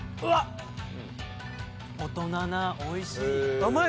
大人なおいしい。